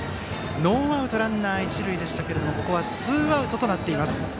ノーアウトランナー、一塁でしたがここはツーアウトとなっています。